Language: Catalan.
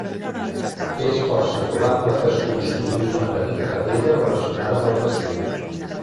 És força probable que es construís una petita capella relacionada amb el castell.